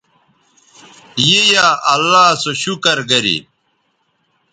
ی یا اللہ سو شکر گری